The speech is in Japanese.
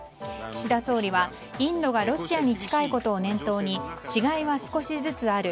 岸田総理はインドがロシアに近いことを念頭に違いは少しずつある。